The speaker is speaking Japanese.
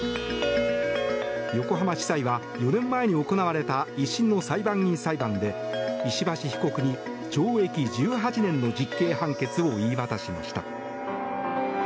横浜地裁は４年前に行われた１審の裁判員裁判で石橋被告に懲役１８年の実刑判決を言い渡しました。